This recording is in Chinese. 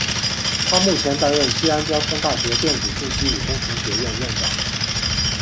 他目前担任西安交通大学电子信息与工程学院院长。